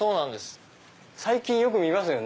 最近よく見ますよね。